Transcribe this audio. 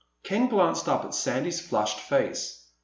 Ken glanced up at Sandy's flushed face.